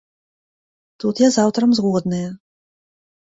Тут я з аўтарам згодная.